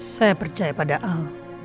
saya percaya pada al